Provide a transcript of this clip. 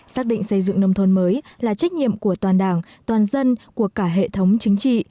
xác định xây dựng nông thôn mới là trách nhiệm của toàn đảng toàn dân của cả hệ thống chính trị